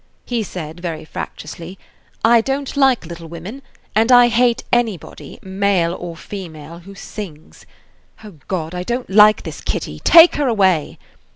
He said very fractiously: "I don't like little women, and I hate anybody, male or female, who sings. O God, I don't like this Kitty. Take her away!"